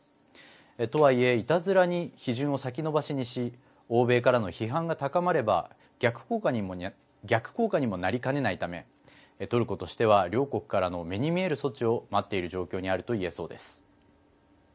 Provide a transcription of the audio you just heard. とはいえいたずらに批准を先延ばしにし欧米からの批判が高まれば逆効果にもなりかねないためトルコとしては両国からの目に見える措置を待っている状況にあると言えそうです。